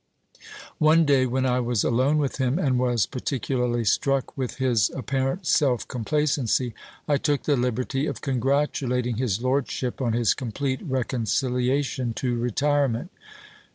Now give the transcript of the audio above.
One day when I was alone with him, and was particularly struck with his apparent self complacency, I took the liberty of congratulating his lordship on his complete reconciliation to retirement.